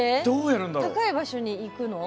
高い場所に行くの？